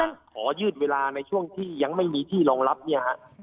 ขอยืดเวลาในช่วงที่ยังไม่มีที่รองรับเนี่ยฮะ